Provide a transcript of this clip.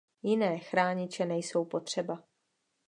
Jiné chrániče nejsou potřeba.